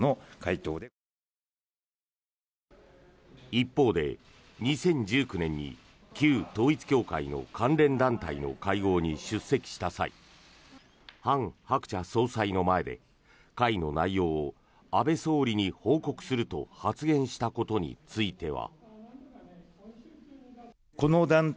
一方で２０１９年に旧統一教会の関連団体の会合に出席した際ハン・ハクチャ総裁の前で会の内容を安倍総理に報告すると発言したことについては。